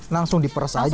langsung diperes aja